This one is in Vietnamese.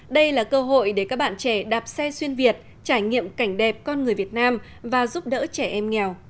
đây là cơ hội để các bạn trẻ đạp xe xuyên việt trải nghiệm cảnh đẹp con người việt nam và giúp đỡ trẻ em nghèo